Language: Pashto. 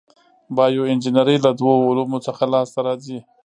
بایو انجنیری له دوو علومو څخه لاس ته راځي.